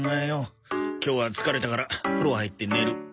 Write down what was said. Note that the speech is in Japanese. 今日は疲れたから風呂入って寝る。